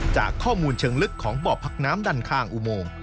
จากข้อมูลเชิงลึกของบ่อพักน้ำดันข้างอุโมง